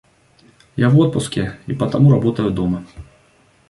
Я в отпуске и потому работаю дома.